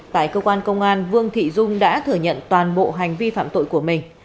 tại cơ quan công an vương thị dung đã thừa nhận toàn bộ hành vi phạm tội của mình